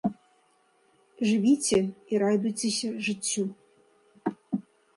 Жывіце і радуйцеся жыццю.